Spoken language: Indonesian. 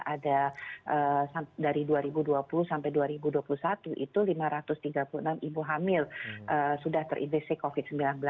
ada dari dua ribu dua puluh sampai dua ribu dua puluh satu itu lima ratus tiga puluh enam ibu hamil sudah terinfeksi covid sembilan belas